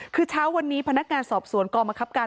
คือเช้าวันนี้พนักงานสอบสวนกรมคับการ